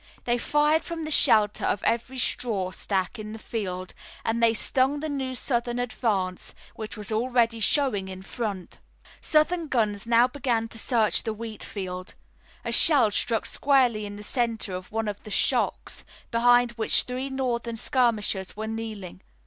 They fired from the shelter of every straw stack in the field, and they stung the new Southern advance, which was already showing its front. Southern guns now began to search the wheat field. A shell struck squarely in the center of one of the shocks behind which three Northern skirmishers were kneeling.